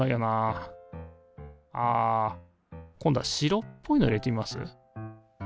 あ今度は白っぽいの入れてみます？